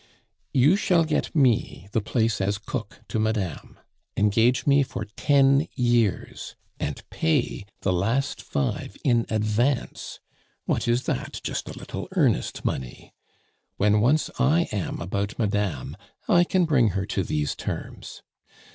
"You shall get me the place as cook to Madame, engage me for ten years, and pay the last five in advance what is that? Just a little earnest money. When once I am about madame, I can bring her to these terms.